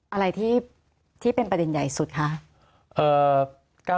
อะไรที่เป็นประเด็นใหญ่สุดคะ